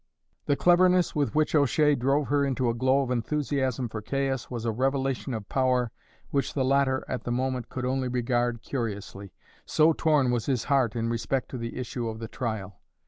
The cleverness with which O'Shea drove her into a glow of enthusiasm for Caius was a revelation of power which the latter at the moment could only regard curiously, so torn was his heart in respect to the issue of the trial.